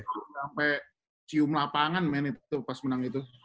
gue udah sampai cium lapangan men itu pas menang itu